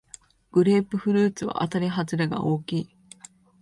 グレープフルーツはあたりはずれが大きい